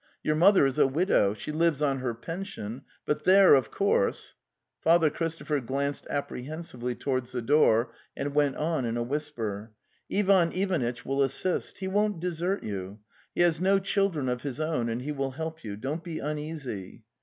... Your mother is a widow; she lives on her pension, but there, of COULSON 2) Father Christopher glanced apprehensively to wards the door, and went on in a whisper: " Ivan Ivanitch will assist. He won't desert you. He has no children of his own, and he will help you. Don't be uneasy."